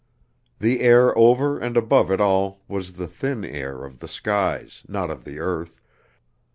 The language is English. The air over and above it all was the thin air of the skies, not of the earth.